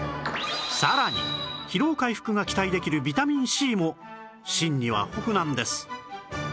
さらに疲労回復が期待できるビタミン Ｃ も芯には豊富なんです